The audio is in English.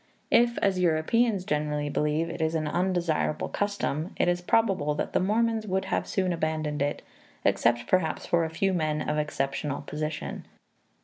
If, as Europeans generally believe, it is an undesirable custom, it is probable that the Mormons would have soon abandoned it, except perhaps for a few men of exceptional position.